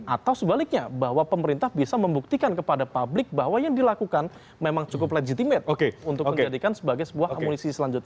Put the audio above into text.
atau sebaliknya bahwa pemerintah bisa membuktikan kepada publik bahwa yang dilakukan memang cukup legitimate untuk menjadikan sebagai sebuah amunisi selanjutnya